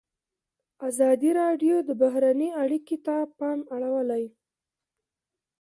ازادي راډیو د بهرنۍ اړیکې ته پام اړولی.